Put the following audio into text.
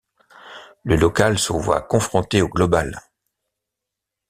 Le local se voit confronté au global.